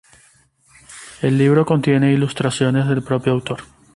El libro contiene ilustraciones del propio autor.